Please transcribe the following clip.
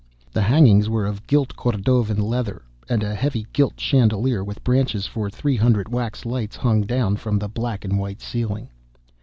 The hangings were of gilt Cordovan leather, and a heavy gilt chandelier with branches for three hundred wax lights hung down from the black and white ceiling.